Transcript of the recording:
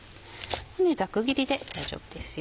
ざく切りで大丈夫ですよ。